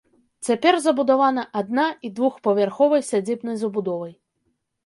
Цяпер забудавана адна і двухпавярховай сядзібнай забудовай.